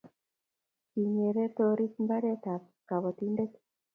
kinyere toriti mbaretab kabotindet